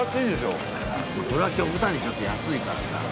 これは極端にちょっと安いからさ。